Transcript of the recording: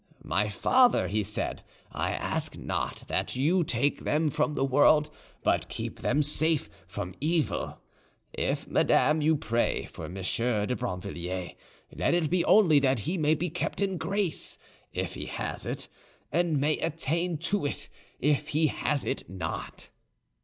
'My Father,' He said, 'I ask not that You take them from the world, but keep them safe from evil.' If, madame, you pray for M. de Brinvilliers, let it be only that he may be kept in grace, if he has it, and may attain to it if he has it not."